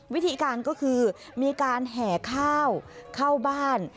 วิธีการก็คือมีการแห่ข้าวเข้าบ้าน